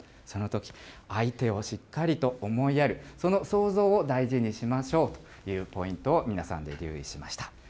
そのとき、相手をしっかりと思いやる、その想像を大事にしましょうというポイントを、皆さんで留意しました。